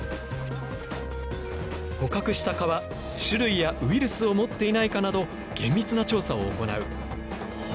捕獲した蚊は種類やウイルスを持っていないかなど厳密な調査を行う。